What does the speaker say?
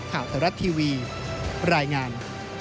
ข่าวไทยรัฐทีวีรายงาน